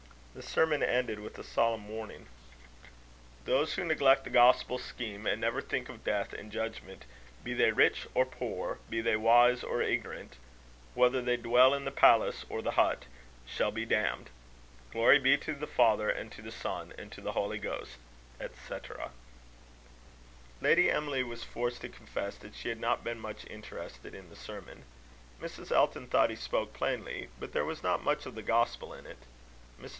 The sermon ended with a solemn warning: "Those who neglect the gospel scheme, and never think of death and judgment be they rich or poor, be they wise or ignorant whether they dwell in the palace or the hut shall be damned. Glory be to the Father, and to the Son, and to the Holy Ghost," &c. Lady Emily was forced to confess that she had not been much interested in the sermon. Mrs. Elton thought he spoke plainly, but there was not much of the gospel in it. Mr.